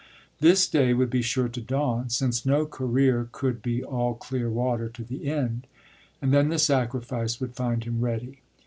This day would be sure to dawn, since no career could be all clear water to the end; and then the sacrifice would find him ready.